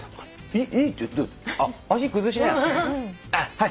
はい。